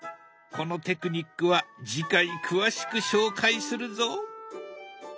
このテクニックは次回詳しく紹介するぞ。